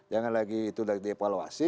jangan lagi itu dievaluasi